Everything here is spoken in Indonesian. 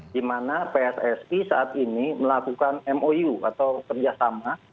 di mana pssi saat ini melakukan mou atau kerjasama